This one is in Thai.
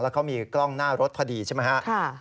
เขามีกล้องหน้ารถพอดีใช่ไหมครับ